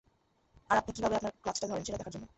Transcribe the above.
আর আপনি কীভাবে আপনার ক্লাচটা ধরেন, সেটা দেখার জন্য।